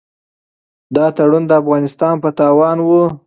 دا تړون د افغانستان په تاوان و.